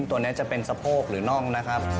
ตัวนี้จะเป็นสะโพกหรือน่องนะครับ